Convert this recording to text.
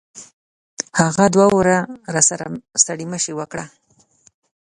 هغه دوه واري راسره ستړي مشي وکړه.